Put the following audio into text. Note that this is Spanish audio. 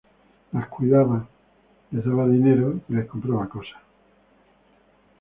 Los cuidaba, les daba dinero y les compraba casas.